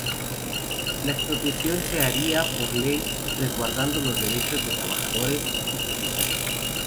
La expropiación se haría por ley, resguardando los derechos de trabajadores y propietarios.